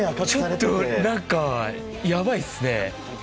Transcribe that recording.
ちょっと何かやばいっすね。